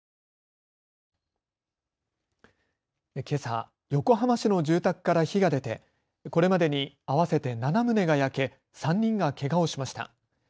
けさ横浜市の住宅から火が出てこれまでに合わせて７棟が焼け３人がけがをしました。